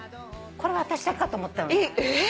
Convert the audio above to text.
これは私だけかと思ったのに。